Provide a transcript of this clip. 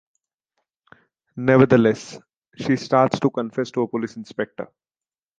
Nevertheless, she starts to confess to a police inspector.